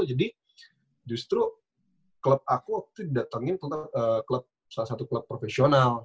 jadi justru club aku waktu itu didatengin salah satu club profesional